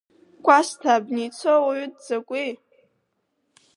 Кәасҭа, абни ицо ауаҩы дзакәи?